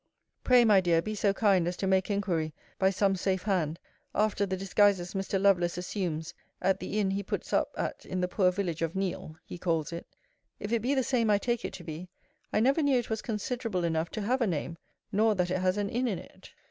Pray, my dear, be so kind as to make inquiry, by some safe hand, after the disguises Mr. Lovelace assumes at the inn he puts up at in the poor village of Neale, he calls it. If it be the same I take it to be, I never knew it was considerable enough to have a name; nor that it has an inn in it.